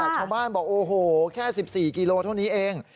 ชาวบ้านบอกโอ้โหแค่๑๔กิโลเท่านี้เอง